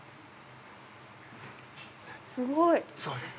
すごい。